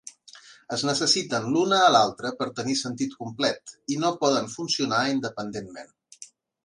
Es necessiten l'una a l'altra per tenir sentit complet i no poden funcionar independentment.